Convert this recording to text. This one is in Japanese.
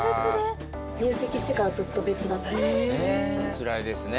つらいですね。